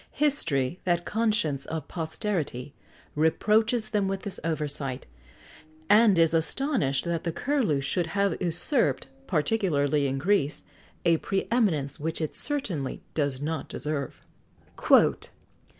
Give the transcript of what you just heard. History, that "conscience of posterity," reproaches them with this oversight, and is astonished that the Curlew should have usurped, particularly in Greece,[XX 89] a pre eminence which it certainly does not deserve.